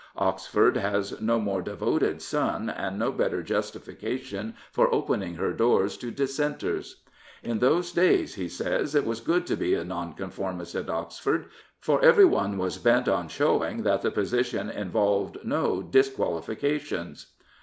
Oxford has no more devoted son, and no better justification for opening her doors to Dissenters, *73 Prophets, Priests, and Kings In those day's," he says, " it was good to be a Nonconformist at Oxford, for everyone was bent on showing that the position involved no disqualifica tions."